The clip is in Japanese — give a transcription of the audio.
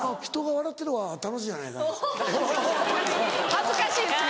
恥ずかしいですね。